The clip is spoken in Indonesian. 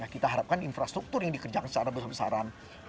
kita harapkan infrastruktur yang dikerjakan secara besar besaran